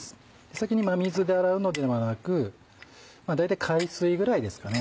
先に真水で洗うのではなく大体海水ぐらいですかね。